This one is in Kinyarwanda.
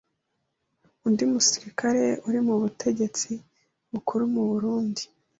Undi musirikare uri mu butegetsi bukuru mu Burundi